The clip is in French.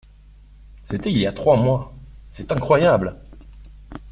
C’était il y a trois mois. C’est incroyable.